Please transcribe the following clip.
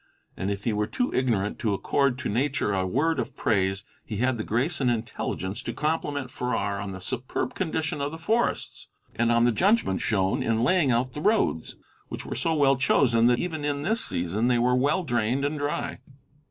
And if he were too ignorant to accord to nature a word of praise, he had the grace and intelligence to compliment Farrar on the superb condition of the forests, and on the judgment shown in laying out the roads, which were so well chosen that even in this season they were well drained and dry.